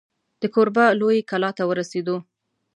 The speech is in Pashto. د کوربه لویې کلا ته ورسېدو.